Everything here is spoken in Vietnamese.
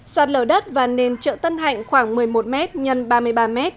sạt lở đất và nền chợ tân hạnh khoảng một mươi một m x ba mươi ba m